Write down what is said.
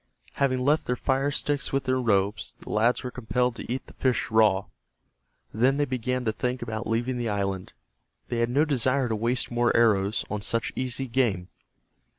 Having left their fire sticks with their robes, the lads were compelled to eat the fish raw. Then they began to think about leaving the island. They had no desire to waste more arrows on such easy game.